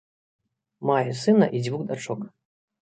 Мае сына і дзвюх дачок.